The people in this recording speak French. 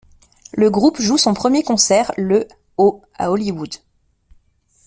Le groupe joue son premier concert le au à Hollywood.